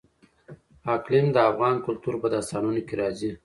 اقلیم د افغان کلتور په داستانونو کې راځي.